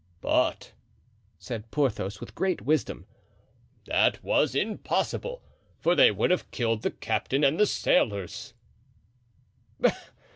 "But," said Porthos, with great wisdom, "that was impossible, for they would have killed the captain and the sailors."